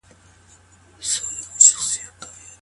آيا مېرمن د خاوند پر بد اخلاقۍ صبر کولای سي؟